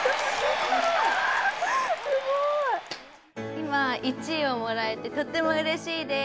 いま１いをもらえてとってもうれしいです。